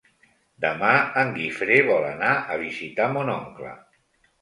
Demà en Guifré vol anar a visitar mon oncle.